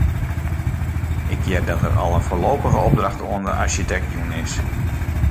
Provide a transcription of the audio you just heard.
Ik hear dat der al in foarlopige opdracht oan de arsjitekt jûn is.